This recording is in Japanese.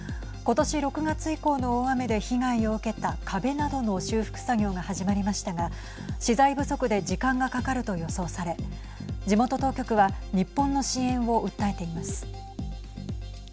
今年６月以降の大雨で被害を受けた壁などの修復作業が始まりましたが資材不足で時間がかかると予想され地元当局は日本の支援を訴えています。